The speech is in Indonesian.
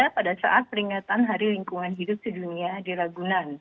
pada saat peringatan hari lingkungan hidup sedunia di ragunan